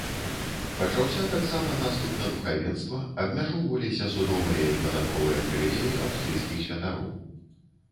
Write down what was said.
Пачаўся таксама наступ на духавенства, абмяжоўваліся судовыя і падатковыя прывілеі аўстрыйскіх святароў.